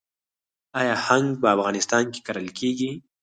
آیا هنګ په افغانستان کې کرل کیږي؟